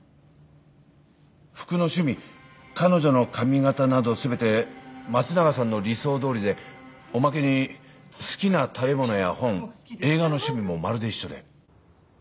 服の趣味彼女の髪形など全て松永さんの理想どおりでおまけに好きな食べ物や本映画の趣味もまるで一緒で。